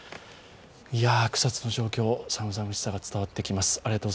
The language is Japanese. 草津の状況、寒々しさが伝わってきます。